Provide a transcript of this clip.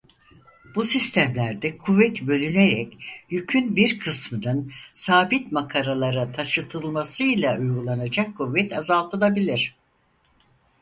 Bu sistemlerde kuvvet bölünerek yükün bir kısmının sabit makaralara taşıtılmasıyla uygulanacak kuvvet azaltılabilir.